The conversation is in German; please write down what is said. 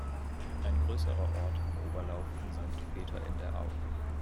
Ein größerer Ort am Oberlauf ist Sankt Peter in der Au.